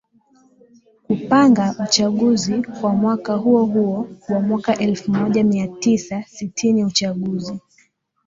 kupanga uchaguzi kwa mwaka huohuo wa mwaka elfu moja mia tisa sitini Uchaguzi